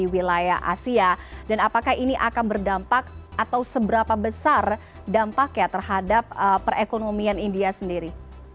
masai perekonomian di wilayah asia dan apakah ini akan berdampak atau seberapa besar dampak ya terhadap perekonomian india sendiri